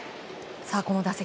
この打席。